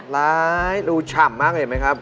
หลายดูฉ่ำมากเห็นไหมครับ